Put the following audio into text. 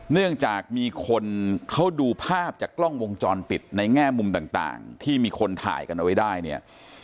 เนื่องจากมีคนเขาดูภาพจากกล้องวงจรปิดในแง่มุมต่างที่มีคนถ่ายกันเอาไว้ได้เนี่ย